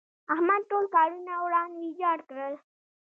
احمد ټول کارونه وران ويجاړ کړل.